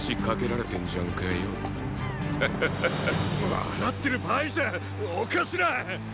笑ってる場合じゃお頭。